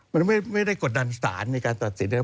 มันไม่ได้กดดันสารในการตัดสินได้